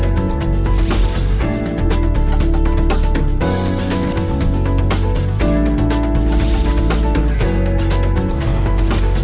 bersama saya desi anwar